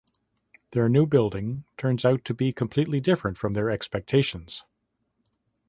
Their new building turns out to be completely different from their expectations.